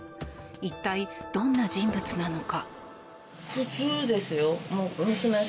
一体、どんな人物なのか。